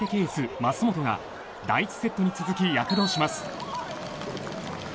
・舛本が第１セットに続き躍動します。